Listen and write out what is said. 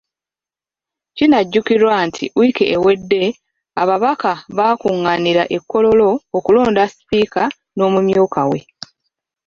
Kinajjukirwa nti wiiki ewedde ababaka bakungaanira e Kololo okulonda sipiika n’omumyuka we .